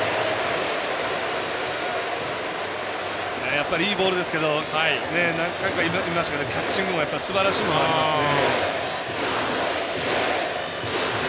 やっぱりいいボールですけど今のようにキャッチングもすばらしいものがありますよね。